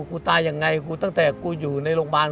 กูตายยังไงกูตั้งแต่กูอยู่ในโรงพยาบาล